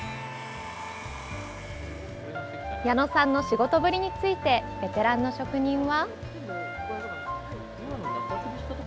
矢野さんの仕事ぶりについてベテランの職人は。